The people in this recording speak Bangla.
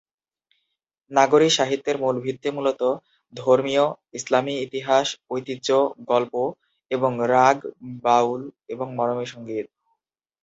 নাগরী সাহিত্যের মূল ভিত্তি মূলত ধর্মীয়, ইসলামী ইতিহাস, ঐতিহ্য, গল্প এবং রাগ, বাউল এবং মরমী সংগীত।